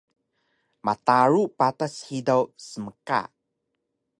Mataru patas hidaw smka